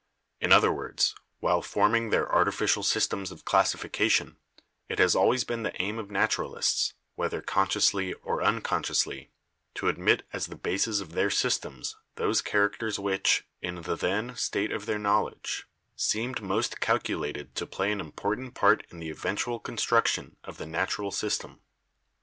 In other words, while forming their artificial systems of classification, it has always been the aim of naturalists — whether consciously or unconsciously —to admit as the bases of their systems those characters which, in the then state of their knowledge, seemed most calculated to play an important part in the eventual con struction of the natural system.